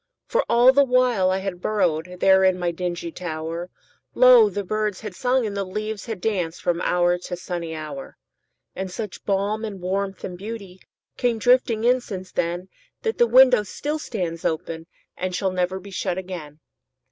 For all the while I had burrowedThere in my dingy tower, Lo! the birds had sung and the leaves had dancedFrom hour to sunny hour. And such balm and warmth and beautyCame drifting in since then, That the window still stands openAnd shall never be shut again.